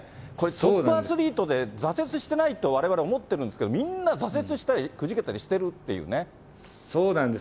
トップアスリートで、挫折してないと、われわれ思ってるんですけれども、みんな挫折したりくじけそうなんです。